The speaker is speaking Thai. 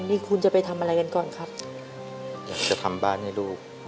นี่คุณจะไปทำอะไรกันก่อนครับอยากจะทำบ้านให้ลูก